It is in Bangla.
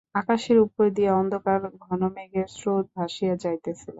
আকাশের উপর দিয়া অন্ধকার ঘনমেঘের স্রোত ভাসিয়া যাইতেছিল।